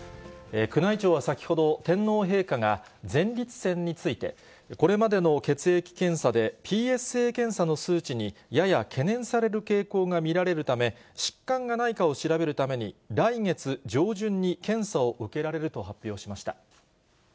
宮内庁は先ほど、天皇陛下が、前立腺について、これまでの血液検査でＰＳＡ検査の数値にやや懸念される傾向が見られるため、疾患がないかを調べるために、来月上旬に検査を受けられると発表しました。